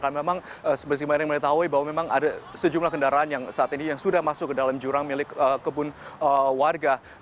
karena memang seperti kemarin mengetahui bahwa memang ada sejumlah kendaraan yang saat ini yang sudah masuk ke dalam jurang milik kebun warga